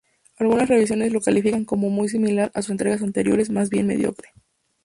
Algunas revisiones lo calificaban como muy similar a sus entregas anteriores, más bien mediocre.